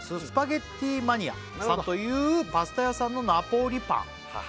「スパゲッティマニアさんというパスタ屋さんのナポリパン」